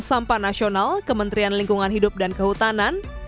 sampah nasional kementerian lingkungan hidup dan kehutanan